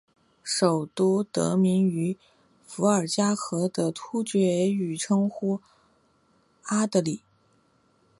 首都得名于伏尔加河的突厥语称呼阿的里。